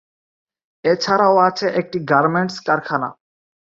এছাড়াও আছে একটি গার্মেন্টস কারখানা।